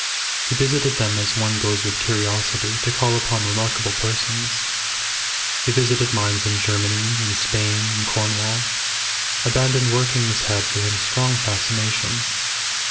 He visited them as one goes with curiosity to call upon remarkable persons. He visited mines in Germany, in Spain, in Cornwall. Abandoned workings had for him strong fascination.